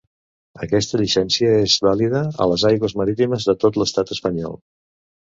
Aquesta llicència és vàlida a les aigües marítimes de tot l'Estat espanyol.